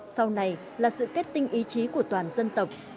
sau này là sự kết tinh ý chí của toàn dân tộc